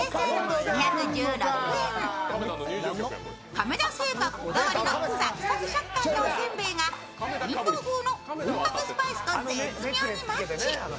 亀田製菓こだわりのサクサク食感のおせんべいがインド風の本格スパイスと絶妙にマッチ。